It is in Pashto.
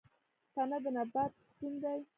تنه د نبات ستون دی